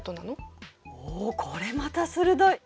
おおこれまた鋭い！